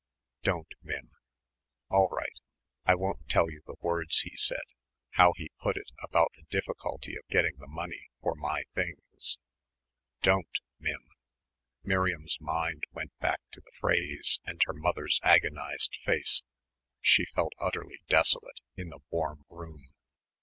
"Don't, Mim." "All right. I won't tell you the words he said, how he put it about the difficulty of getting the money for my things." "Don't, Mim." Miriam's mind went back to the phrase and her mother's agonised face. She felt utterly desolate in the warm room.